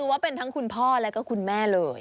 ว่าเป็นทั้งคุณพ่อแล้วก็คุณแม่เลย